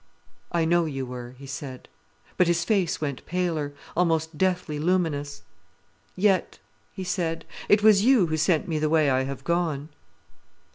"I know you were," he said. But his face went paler, almost deathly luminous. "Yet," he said, "it was you who sent me the way I have gone."